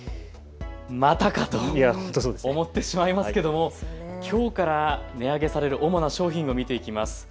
またかと思ってしまいますけども、きょうから値上げされる主な商品を見ていきます。